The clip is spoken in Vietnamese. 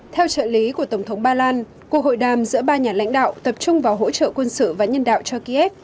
theo trợ lý của tổng thống ba lan cuộc hội đàm giữa ba nhà lãnh đạo tập trung vào hỗ trợ quân sự và nhân đạo cho kiev